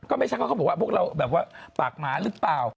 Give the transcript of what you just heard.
ก็ไม่ใช่ว่าเขาบอกว่าพวกเราแบบว่าปากหมาหรือเปล่า